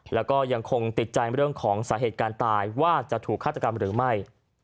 แล้วก็ยังคงติดใจเรื่องของสาเหตุการณ์ตายว่าจะถูกฆาตกรรมหรือไม่